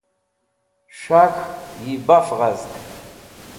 s̃hak̃h yi baf ghazg